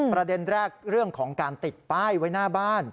ประเด็นแรกเรื่องของการติดป้ายไว้หน้าบ้าน